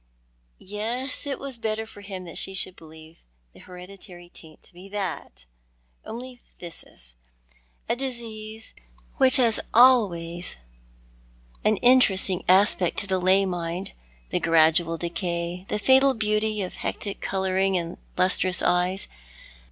Yes, it was better for him that she should believe the hereditary taint to be that— only phthisis— a disease which has always an lOO ThoiL art the ]\Ia?i. interesting aspect to the lay mind — tlie gradual decay, tlie fatal beauty of hectic colouring and lustrous eyes.